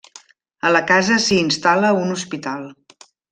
A la casa s'hi instal·la un hospital.